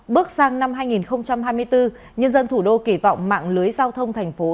bước sang năm hai nghìn hai mươi bốn nhân dân thủ đô kỳ vọng mạng lưới giao thông thành phố